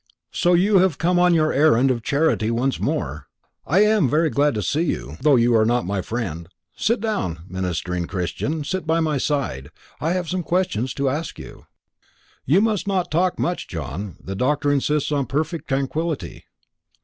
So you have come on your errand of charity once more. I am very glad to see you, though you are not my friend. Sit down, ministering Christian, sit by my side; I have some questions to ask you." "You must not talk much, John. The doctor insists upon perfect tranquillity."